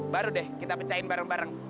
baru deh kita pecahin bareng bareng